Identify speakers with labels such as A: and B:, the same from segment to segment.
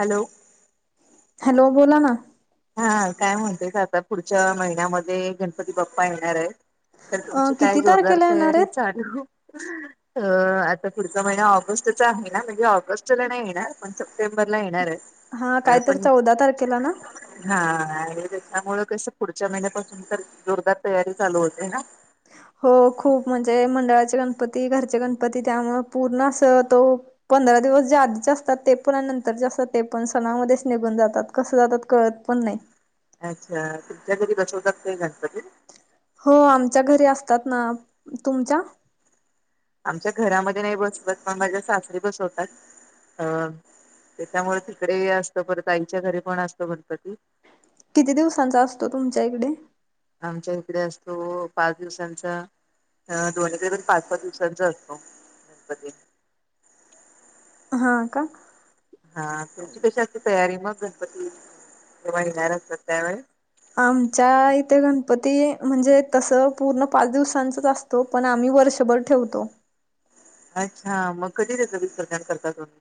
A: Hello
B: hello बोला ना
A: हा काय म्हणतोय आता पुढच्या महिन्यामध्ये गण पती बाप्पा येणार आहे, तर
B: अ
A: तुमची काय
B: किती
A: जोरदार
B: तारखेला येणार
A: तयारी
B: आहेत
A: चालू त आता पुढचा महिना ऑगस्टचचा आहे ना म्हणजे ऑगस्टला नाही येणार पण सप्टेंबरला येणार आहे
B: हा काय तर
A: पण
B: चौदा तारखेला ना
A: हा त्यामुळ कसं पुढच्या महिन्यापासून तर जोरदार तयारी चालू होते ना
B: हो खूप म्हणजे मंडळाचे गणपती, घरचे गणपती त्यामुळं पूर्ण असं तो पंधरा दिवस जे आधीचे असतात ते पण आणि नंतरचे असतात ते पण सणामध्येच निघून जातात कसं जातात कळत पण नाही
A: अच्छा तुमच्या घरी बसवतात का गणपती
B: हो आमच्या घरी असतात ना, तुमच्या
A: आमच्या घरामध्ये नाही बसतात पण माझ्या सासरी बसवतात अ त्याच्यामुळे तिकडे असत परत आईंच्या घरी पण असतो गणपती
B: किती दिवसांचा असतो तुमच्या इकडे
A: आमच्या इकडे असतो पाच दिवसांचा ह दोन वेगवेगळे पाच सात दिवसांचा असतो गणपती
B: हा का
A: हा तुमची कशी असती तयारी मग गणपती, जेव्हा येणार असतो त्यावेळेस
B: आमच्या इथे गणपती म्हणजे तसं पूर्ण पाच दिवसांचंच आस तो पण आम्ही वर्षभर ठेवतो
A: अच्छा मग कधी त्याचं विसर्जन करता तुम्ही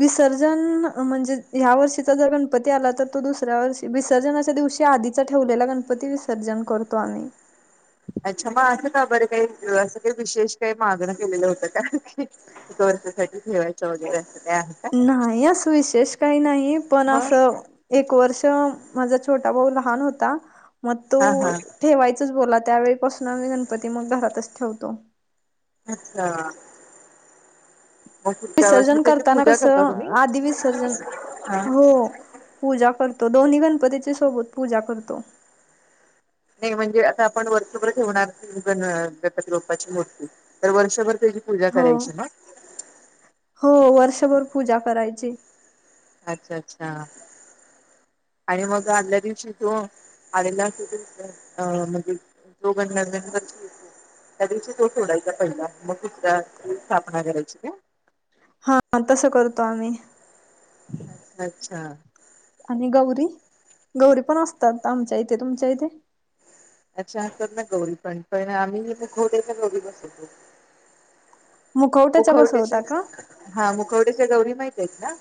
B: विसर्जन म्हणजे ह्या वर्षीचा जर गणपती आला तर, तो दुसऱ्या वर्षी विसर्जनाच्या दिवशी आधि चा ठेवलेला गणपती विसर्जन करतो आम्हीं.
A: अच्छा, मग असं का बरं काही असं काही विशेष काही मागणं केलेलं होतं का? फक्त वर्षासाठी ठेवायचं वगैरे असं काय आहे? का
B: नाही असं विशेष काही नाही पण
A: मग
B: असं, एक वर्ष माझा छोटा भाऊ लहान होता, मग तो
A: हा हा
B: ठेवायचंच बोलला त्यावेळेपासून आम्ही गणपती मग घरातच ठेवतो.
A: अच्छा. मग पुढच्या वेळेस मग
B: विसर्जन
A: त्याची
B: करताना
A: पूजा करता तुम्ही
B: कसं आधी विसर्जन
A: हा
B: हो.. पूजा करतो दोन्ही गणपतीची सोबत पूजा करतो.
A: नाही म्हणजे आता आपण वर्षभर ठेवणार गणपती बाप्पाची मूर्ती, तर वर्षभर त्याची पूजा
B: हो
A: करायची मग?
B: हो वर्षभर पूजा करायची.
A: अच्छा, अच्छा आणि मग आदल्या दिवशी तो आलेला अ म्हणजे जो [unintelligible] त्या दिवशी तो सोडायचा पहिला, मग दुसरा तेजी स्थापना करायची काय?
B: हा तसं करतो आम्ही.
A: अच्छा.
B: आणि गौरी, गौरी पण असतात आमच्या इथे तुमच्या इथे?
A: अच्छा, आणतात ना गौरी पण, पण आम्ही मुखवटेच्या गौरी बसवतो.
B: मुखवट्याच्या
A: मुखवट्याचे
B: बसवता का?
A: हा मुखवट्याच्या गौरी माहित आहेत ना?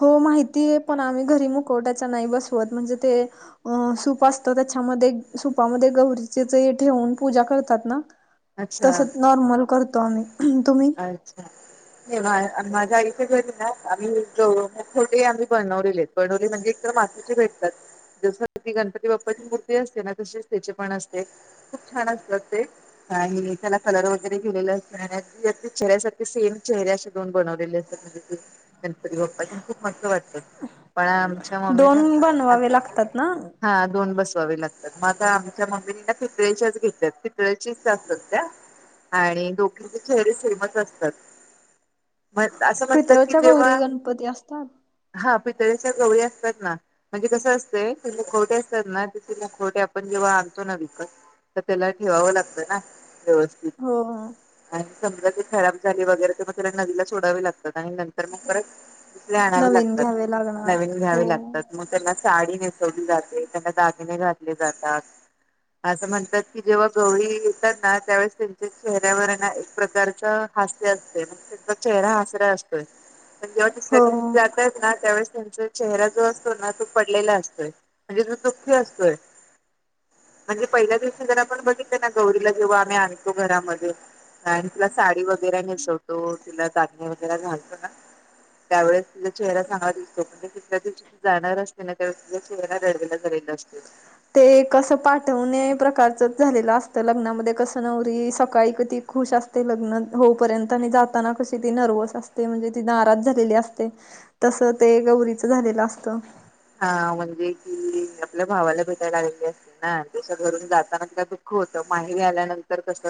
B: हो माहितीय पण आम्ही घरी मुकवट्याच्या नाही बसवत म्हणजे ते अं सूप असत त्याच्यामध्ये सुपामध्ये गौरीचच हे ठेवून पूजा करतात ना, तस
A: अच्छा
B: नॉर्मल करतो आम्ही. तुम्ही?
A: अच्छा, माझ्या आईच्या घरी ना आम्ही [unintelligible] ते आम्ही बनवलेले आहेत बनवलेले म्हणजे एक तर मातीची भेटतात जसं ती गणपती बाप्पाची मूर्ती असते ना तशीच. त्याचे पण असते खूप छान असतात ते आणि त्याला कलर वगैरे केलेले असतंय आणि ते अगदी चेहऱ्यासारखे सेम चेहरे अशे दोन बनवलेले असतात. गणपती बाप्पाच्या खूप मस्त वाटतं पण आमच्या मम्मी ना
B: दोन
A: आ
B: बनवावे लागतात ना
A: हा दोन बसवावे लागतात, मग आता आमच्या मम्मींना पितळे्याच्याच घेतल्यात, पितळेचीच असतात त्या आणि दोघींचे चेहरे सेमच असतात. मग असं म्हणतात कि
B: पितळच्या
A: जेव्हा
B: गौरी गणपती असतात
A: हा पितळेच्या गवळी असतात ना, म्हणजे कसं असतंय ते मुखवटे असतात ना, ते मुखवटे आपण जेव्हा आणतो ना विकत तर त्याला ठेवावं लागतं ना व्यवस्थित.
B: हो...
A: आणि समजा ते खराब झाले वगैरे तर मग त्याला नदीला सोडावे लागतात आणि नंतर मग परत, दुसरे आणावे
B: नवीन
A: लागतात,
B: घ्यावे लागणार
A: नवीन
B: हो
A: घ्यावी लागतात. मग त्यांना साडी नेसवली जाते, त्यांना दागिने घातले जातात. असं म्हणतात की जेव्हा गौरी येतात ना, त्यावेळेस त्यांच्या चेहऱ्यावर एक प्रकारच हास्य असतंय, त्यांचा चेहरा हासरा असतोय. पण जेव्हा तुसऱ्या दिवशी
B: हो
A: जातायत ना, त्यावेळेस त्यांचा चेहरा जो असतो ना तो पडलेला असतोय. म्हणजे तो दुःखी असतोय. म्हणजे पहिल्या दिवशी जर आपण बघितलं ना गौरीला जेव्हा आम्ही आणतो घरामध्ये, नाही तिला साडी वगैरे नेसवतो, तिला दागिने वगैरे घालतो ना,... त्यावेळेस तुझा चेहरा चांगला दिसतो. आणि दुसऱ्या दिवशी जाणार असते ना ते्हा तिचा थोडा रेडवेला झालेले असते.
B: ते कसं पाठवणे प्रकारच झालेलं असतं. लग्नामध्ये कसं नवरी सकाळी कधी खुश असत. ते लग्न होपर्यंत आणि जाताना कशी ती नर्व्हस असते. म्हणजे ती नाराज झालेली असते. तस ते गौरीच झालेलं असतं.
A: हा म्हणजे कि आपल्या भावाला भेटायला आलेली असते. ना तस घरून जाताना का दुःख होतं. माहेरी आल्यानंतर कस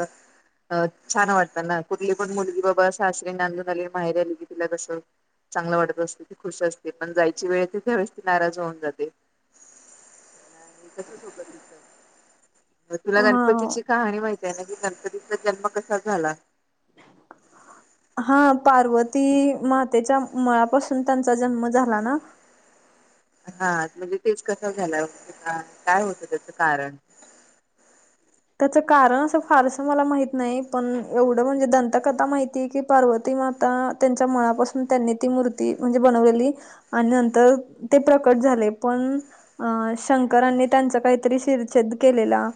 A: अ छान वाटतं, ना कुठली पण मुलगी बाबा असं सासरी नांदून आली, माहेरी आली की तिला कसं चांगलं वाटत असते, ती खुश असते. पण जायची वेळ येते त्यावेळेस कि नाराज होऊन जाते. आणि तसंच होतं तिचं. तुला
B: हा.
A: गणपतीची कहाणी माहती आहे ना, की गणपतीचा जन्म कसा झाला?
B: हा पार्वती मातेच्या मळापासून त्यांचा जन्म झाला ना?
A: हा म्हणजे तेच कस झाला? काय होतं त्याचं कारण?
B: त्याचं कारण असं फारसं मला माहत नाही, पण एवढं म्हणजे दंतकथा माहितीय की पार्वती माता त्यांच्या मळापासून त्यांनी ती मूर्ती म्हणजे बनवलेली. आणि नंतर ते प्रकट झाले. पण अं शंकरांनी त्यांचा काहीतरी शिरछेद केलेला.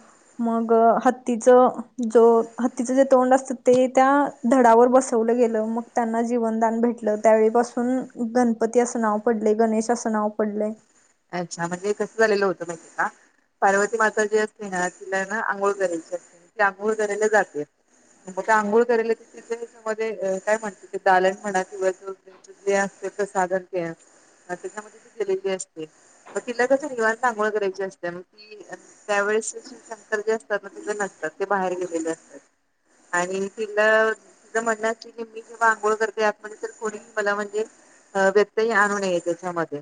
B: मग हत्तीचं जो हत्तीचं जे तोंड असतं ते त्या धडावर बसवलं गेलं, मग त्यांना जीवनदान भेटलं. त्यावेळीपासून गणपती असं नाव पडले गणेश असं नाव पडले.
A: अच्छा! म्हणजे ते कसं झालेलं होतं माहितीे का? पार्वती माता जी असते ना तिला ना आंघोळ करायची असते. ती आंघोळ करायला जाते. मग का अंघोळ कराले त तिथ त्याच्यामध्ये काय म्हणत ते दालन म्हणा किंवा जे असते तर साधन के, त्याच्यामध्ये त केलेली अस मग तिला कस निवांत अंघोळ करायची असते मग त त्यावेळेस श -शंकर जे असतात ना, तिथे नसतात. ते बाहेर गेलेले असतात. आणि तिला तिचं म्हणणं असत की, मी जेव्हा आंघोळ करते आतमध्ये तर कोणी मला म्हणजे अ व्यतही आणू नये त्याच्यामध्ये.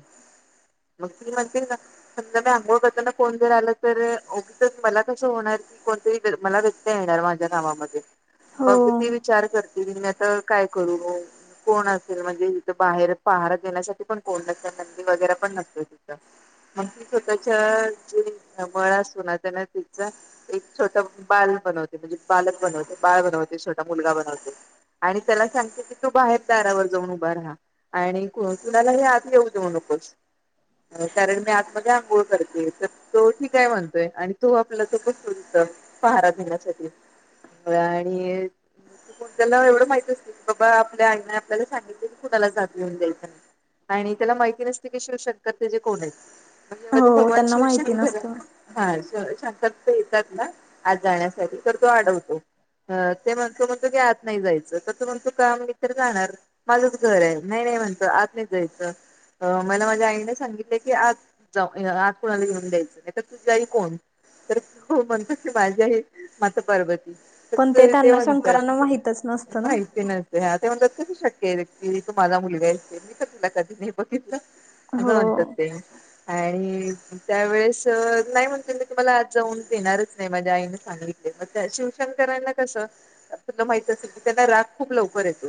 A: मग ती म्हणती समजा मी आंघोळ करताना जर आला तर, ओगीच मला कसं होणार. कोणरी मला व्यत्यय येणार माझ्या कमा,
B: हो
A: मग ती विचार कर मी आता काय करू? कोण असेल म्हणजे इथे बाहेर पहार देण्यासाठी पण कोण नसेल, नंदी वगैरे पण नसते. मग ती स्वतःच्या जे मळ असतो ना, त्याना त्याचा एक छोट बाल बनवते, म्हणजे बालक बनवते. बाळ बनवते, छोटा मुलगा बनवते. आणि त्याला सांगते की, तू बाहेर दारावर जाऊन उभा राहा. आणि कुणाला ही आत येऊ देऊ नकोस. कारण मी आतमध्ये आंघोळ करते. तो ठीक आहे म्हणतोय, आणि तो आपला तो बसतो तिथं पहारा देण्यासाठी. आणि त्याला एवढं माहित असते की, बाबा आपल्या आईने आपल्याला सांगितले की, कुणाला आत येऊन द्यायचं नाही. आणि त्याला माहिती नसते की शिवशंकर ते जे कोण आहेत? म्हण मध्ये
B: हो
A: भगवान
B: त्यांना माहिती
A: शिवशंकर
B: नसतं
A: हा शंकर तिथं येतात ना आत जाण्यासाठी, तर तो आडवतो. ते म्हणतो की आत नाही जायचं. तर तो म्हणतो का? मी तर जाणार. माझच घर आहे नाही नाही म्हणत आज नाही जायचं मला माझ्या आईनेच सांगितलं की आज जा आज कुणाला घेऊन द्यायचं नाही तर तुझी गाडी कोण? तर हो म्हणतात की माझ्या हे माझं पर्वत
B: पण
A: [inaudible] ते
B: त्यांना
A: म्हणतात
B: शंकरांना माहितच नसतं ना
A: कस शक्य आहे की, तू माझा मुलगा आहे मी तर तीला कधी नाही बघितलं.
B: हो
A: असं म्हणतात ते, आणि त्यावेेळेस नाही म्हणते मी तुम्हाला आज जाऊन देणारच नाही. माझ्या आईने सांगितले मग त्या शिवषन करायला. स तुला माहित असेल की त्यांना राग खूप लवकर येतो.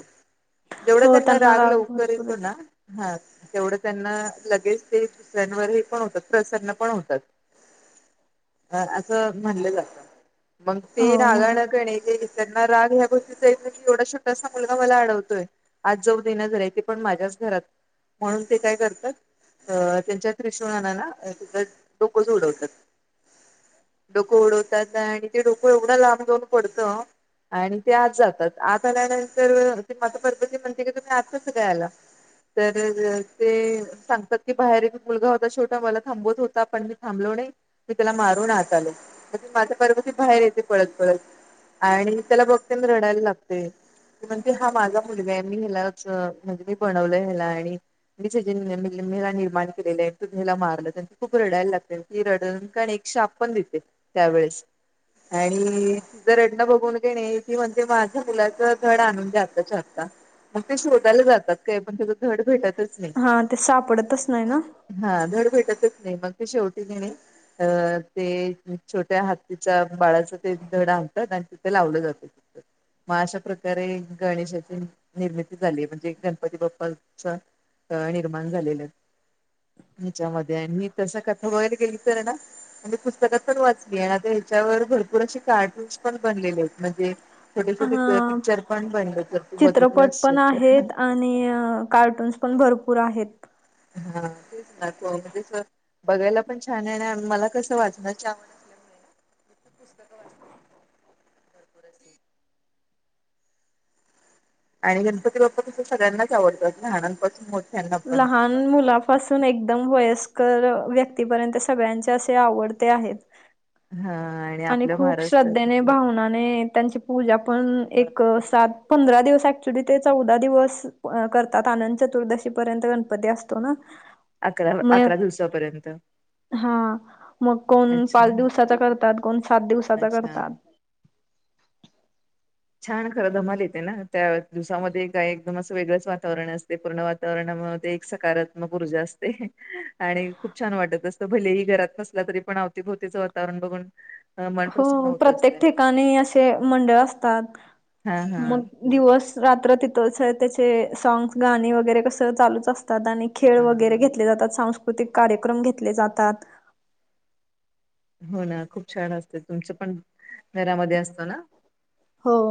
A: जेवढा त्यांना राग लवकर येतो ना, हा तेवढं त्यांना लगेच ते दुसऱ्यांवर हे पण होतात, प्रसन्न पण होतात. अ- असं म्हणलं जातं. मग ते
B: हो मग
A: रागाने ते त्यांना राग ह्या गोष्टी चा येतो की, एवढा छोटासा मुलगा मला आडवतोय. आत जाऊन देईना झालंय ते पण माझ्या च घरात, म्हणून ते काय करतात अ त्यांच्या त्रिशूणना ना, त्याच डोकंच उडवतात. डोकं उडवतात आणि ते डोकं एवढं लांब जाऊन पडतं आणि ते आत जातात. आत आल्यानंतर ते माता पार्वती म्हणते की, तुम्ही आता कसं काय आला? तर ते सांगतात की बाहेर एक मुलगा होता छोटा मला थांबवत होता, पण मी थांबलो नाही. मी त्याला मारून आत आलो, म ती माता पार्वती बाहेर येते पळत पळत. आणि त्याला बघते रडायला लागते. ती म्हणते हा माझा मुलगा आहे. मी ह्यालाच म्हणजे मी बनवलंय ह्याला आणि [unintelligible] निर्माण केलेले तु याला मारलं, त्यां खूप रडायला लागते. ती रडूण एक शाप पण देते. त्यावेळेस आणि तिज रडनं बघून कीणे, ती म्हणते माझ्या मुलाचं धड आणून दया आता च्या आता. मग ते शोधायला जातात काय, पण त्याचा धड भेटतच नाही.
B: ह ते सापडतच नाही ना?
A: हा धड भेटतच नाही. मग ते शेवटी कीने अ ते छोट्या हातीच्या बाळाच ते धड आणतात, आणि तिथे लावलं जातं. मग अशा प्रकारे गणेशाची निर्मिती झाली. म्हणजे गणपती बाप्पाच्या निर्माण झालेलं हिच्यामध्ये आणि मी तस कथा वगैरे केली तर ना म्हणजे पुस्तकात पण वाचली आणि आता ह्याच्यावर भरपूर असे कार्टून्स पण बनलेले आहेत. म्हणजे छोटे
B: हा
A: छोटे पिक्चर पण बनले, जर तू बघितलं
B: चित्रपट
A: असेल
B: पण
A: तर?
B: आहेत आणि कार्टून्स पण भरपूर आहेत.
A: हा तेच ना तोरणे, बघायला पण छान आहे आणि मला कसं वाटणार छान भरपूर अशी आणि गणपती बाप्पा तस सगळ्यांनाच आवडतात ना, लहानांपासून मो
B: लहान मुलापासून एकदम वयस्कर व्यक्तीपर्यंत सगळ्यांचे असे आवडते आहेत.
A: हा.
B: आणि
A: आपल्या
B: खूप
A: महाराष्ट्रात
B: श्रद्धेने भावना ने त्यांची पूजा पण एक सात -पंधरा दिवस ऍक्चुली ते चौदा दिवस करतात. आनंत चतुर्दशी पर्यंत गणपती असतो ना.
A: अकरा
B: म या
A: अकरा
B: ग
A: दिवसापर्यंत
B: हा, म कोण
A: अच्छा
B: पाच दिवसाचा कर तात, कोण सात दिवसाचा
A: अच्छा
B: करतात.
A: छान. खरं धमाल येते ना. त्या दिवसामध्ये काय एकदम असं वेगळंच वातावरण असते पूर्ण तर मग ते एक सकारात्मक ऊर्जा असते. आणि खूप छान वाटत असत भलेही घरात नस तरी पण अवतीभवतीच वातावरण बघून अ, मन
B: हो
A: प्रसन्न होत
B: प्रत्येक
A: असतय
B: ठिकाणी असे मंडळ असतात.
A: हा हा
B: मग दिवस रात्र तिथंच. त्याचे साँग्स, गाणी वगैरे कसं चालूच असतात आणि खेळ
A: हा
B: वगैरे घेतले जातात. सांस्कृतिक कार्यक्रम घेतले जातात.
A: हो ना. खूप छान असते. तुमचं पण घरामध्ये असतो ना.
B: हो.